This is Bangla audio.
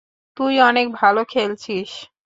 তুই অনেক ভালো খেলছিস।